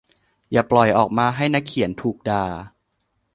อย่าปล่อยออกมาให้นักเขียนถูกด่า